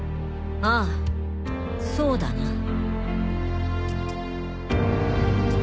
ああそうだな。